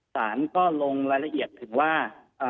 สารก็ลงรายละเอียดถึงว่า